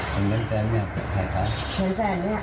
โบ๊ะเบียนโบ๊ะเบียน